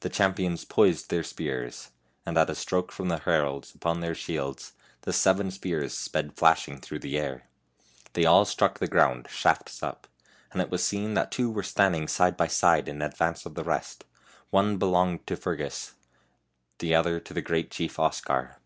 The champions poised their spears, and at a stroke from the heralds upon their shields the seven spears sped flashing through the air. They all struck the ground, shafts up, and it was seen that two were standing side by side in advance of the rest, one belonged to Fergus, the other to the great chief, Oscar.